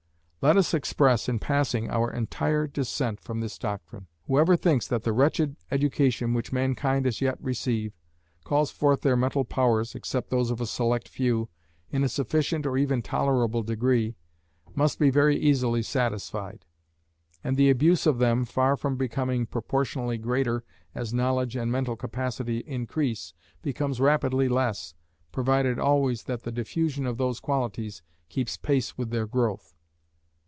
Let us express, in passing, our entire dissent from this doctrine. Whoever thinks that the wretched education which mankind as yet receive, calls forth their mental powers (except those of a select few) in a sufficient or even tolerable degree, must be very easily satisfied: and the abuse of them, far from becoming proportionally greater as knowledge and mental capacity increase, becomes rapidly less, provided always that the diffusion of those qualities keeps pace with their growth.